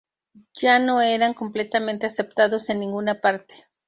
Ya no eran completamente aceptados en ninguna parte.